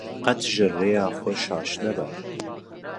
qet ji rêya xwe jî şaş nebe.